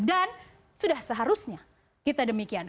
dan sudah seharusnya kita demikian